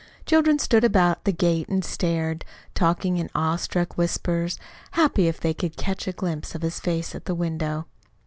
Children stood about the gate and stared, talking in awe struck whispers, happy if they could catch a glimpse of his face at the window.